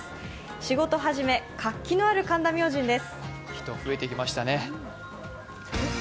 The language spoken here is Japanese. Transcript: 仕事始め、活気のある神田明神です